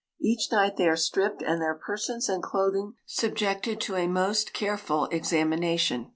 Each night they are stripi)ed and their persons and clothing subjected to a most careful examination.